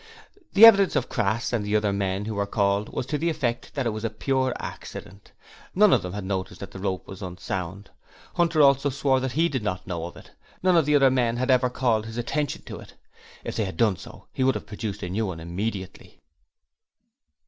The evidence of Crass and the other men who were called was to the effect that it was a pure accident. None of them had noticed that the rope was unsound. Hunter also swore that he did not know of it none of the men had ever called his attention to it; if they had done so he would have procured a new one immediately.